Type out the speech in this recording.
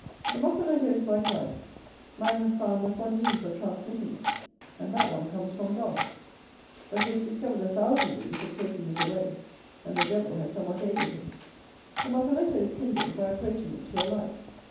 The moccoletto is like life: man has found but one means of transmitting it, and that one comes from God. But he has discovered a thousand means of taking it away, and the devil has somewhat aided him. The moccoletto is kindled by approaching it to a light.